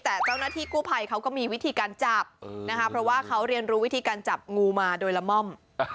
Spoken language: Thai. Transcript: แต่เจ้าหน้าที่กู้ภัยเขาก็มีวิธีการจับนะคะเพราะว่าเขาเรียนรู้วิธีการจับงูมาโดยละม่อม